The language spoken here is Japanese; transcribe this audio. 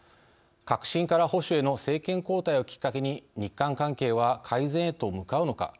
革新から保守への政権交代をきっかけに日韓関係は改善へと向かうのか。